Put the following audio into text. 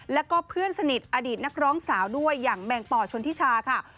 แล้วก็เพื่อนสนิทอดีตนักร้องสาวด้วยอย่างแมงป่อชนทิชาค่ะ